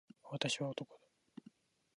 私は男だ。